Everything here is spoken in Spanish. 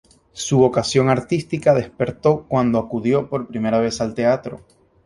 Su vocación artística despertó cuando acudió por primera vez al teatro.